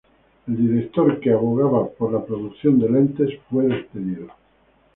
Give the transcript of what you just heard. El director, que abogaba por la producción de lentes, fue despedido.